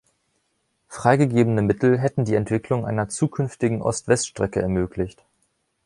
Freigegebene Mittel hätten die Entwicklung einer zukünftigen Ost-West-Strecke ermöglicht.